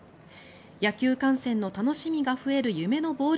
野球観戦の楽しみが増える夢のボール